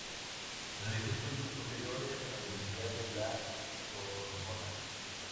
Realizó estudios posteriores en la Universidad de la Sorbona.